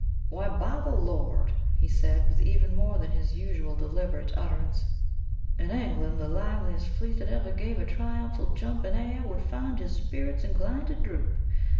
"Why, by the Lord!" he said, with even more than his usual deliberate utterance, "in England the liveliest flea that ever gave a triumphal jump in air would find his spirits inclined to droop!